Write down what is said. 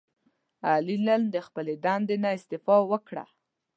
علي نن د خپلې دندې نه استعفا ورکړه.